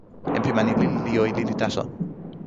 jan pi mani lili li jo e lili taso.